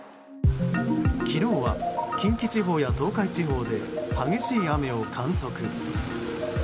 昨日は、近畿地方や東海地方で激しい雨を観測。